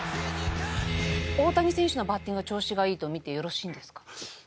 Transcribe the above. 大谷選手のバッティングは調子がいいと見てよろしいんですか？